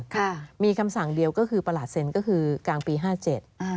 ค่ะมีคำสั่งเดียวก็คือประหลาดเซ็นก็คือกลางปีห้าเจ็ดอ่า